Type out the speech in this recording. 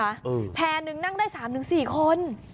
มาแพ้นึงนั่งได้๓๔คน